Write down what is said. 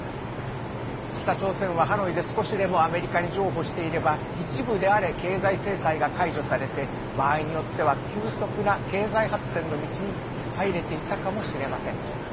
北朝鮮はハノイで少しでもアメリカに譲歩していれば一部であれ経済制裁が解除されて場合によっては急速な経済発展の道に入れていたかもしれません。